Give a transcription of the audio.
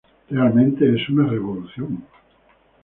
Realmente es una revolución.